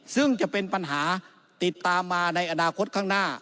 ซึ่งจะเป็นปัญหาติดตามมาในอนาคตข้างหน้า